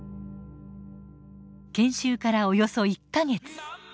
研修からおよそ１か月。